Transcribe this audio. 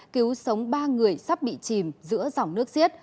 cứu sống ba người sắp bị chìm giữa dòng nước xiết